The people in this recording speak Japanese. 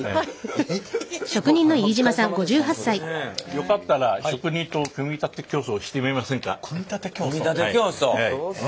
よかったら職人と組み立て競争してみませんか？